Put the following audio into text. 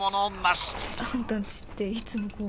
あんたん家っていつもこう？